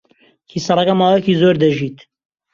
کیسەڵەکە ماوەیەکی زۆر دەژیت.